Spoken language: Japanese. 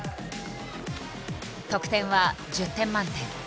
得点は１０点満点。